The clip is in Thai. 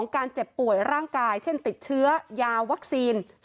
การเจ็บป่วยร่างกายเช่นติดเชื้อยาวัคซีน